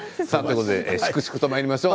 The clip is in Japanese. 粛々とまいりましょう。